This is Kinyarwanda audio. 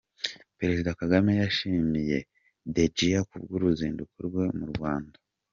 Perezida Kagame yashimiye Dejiang ku bw’uruzinduko rwe mu Rwanda